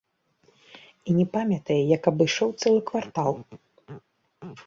І не памятае, як абышоў цэлы квартал.